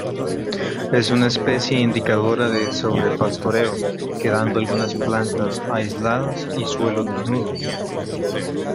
Es una especie indicadora de sobrepastoreo, quedando algunas plantas aisladas y suelo desnudo.